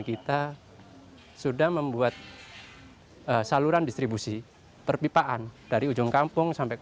kita sudah membuat saluran distribusi perpipaan dari ujung kampung sampai ke